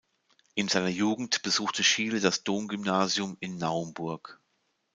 In seiner Jugend besuchte Schiele das Domgymnasium in Naumburg.